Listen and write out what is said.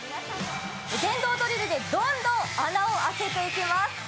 電動ドリルでどんどん穴を開けていきます。